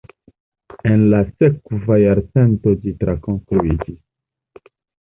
En la sekva jarcento ĝi trakonstruiĝis.